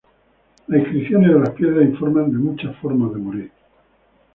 Las inscripciones de las piedras informan de muchas formas de morir.